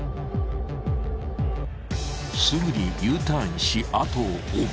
すぐにＵターンし後を追う。